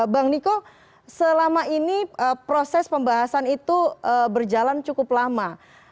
bang niko selama ini proses pembahasan itu berjalan cukup lama